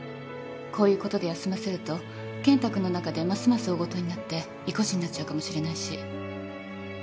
こういうことで休ませると健太君の中でますます大ごとになって意固地になっちゃうかもしれないし。